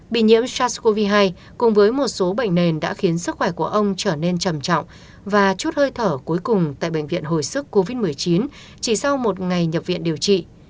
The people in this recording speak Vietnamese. bị nhiễm sars cov hai cùng với một số bệnh nền đã khiến sức khỏe của ông trở nên trầm trọng và chút hơi thở cuối cùng tại bệnh viện hồi sức covid một mươi chín chỉ sau một ngày nhập viện điều trị